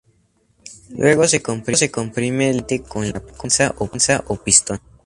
Luego se comprime lentamente con la prensa o pistón.